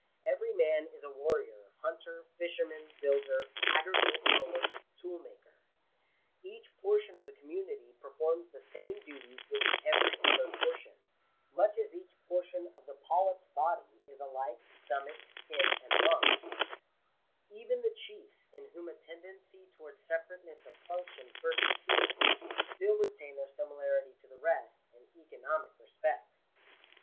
Every man is a warrior, hunter, fisherman, builder, agriculturist, toolmaker. Each portion of the community per forms the same duties with every other portion ; much as each portion of the polyp's body is alike stomach, skin, and lungs* Even the chiefs, in whom a tendency towards separateness of function first appears, still retain their similarity to the rest in economic respects.